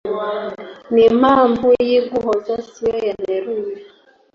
n'impamvu y'uguhoza si yo yanteruye